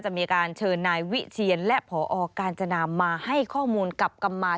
จะเชิญนายวิเชียร์และพการจนามาให้ข้อมูลกลับกลับมา